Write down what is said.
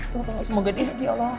tuh semoga dia ya allah